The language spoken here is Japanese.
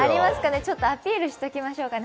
ちょっとここでアピールしておきましょうかね。